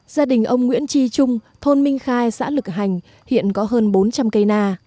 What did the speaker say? gia đình ông nguyễn tri trung thôn minh khai xã lực hành hiện có hơn bốn trăm linh cây na